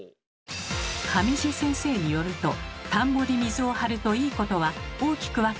上地先生によると田んぼに水を張ると「いいこと」は大きく分けて３つ。